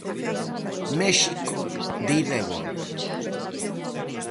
México de ida e volta.